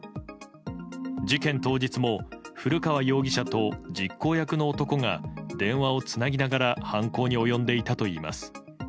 事件当日も古川容疑者と実行役の男が電話をつなぎながら犯行に及んでいたといいます。